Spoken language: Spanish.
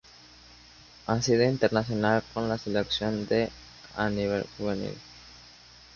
Ha sido internacional con la selección de a nivel juvenil.